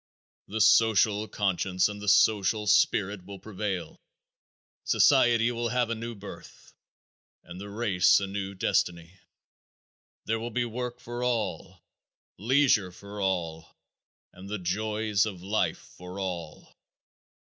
The social conscience and the social spirit will prevail. Society will have a new birth, and the race a new destiny. There will be work for all, leisure for all, and the joys of life for all.